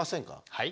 はい？